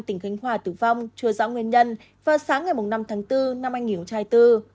tỉnh khánh hòa tử vong chưa rõ nguyên nhân vào sáng ngày năm tháng bốn năm hai nghìn bốn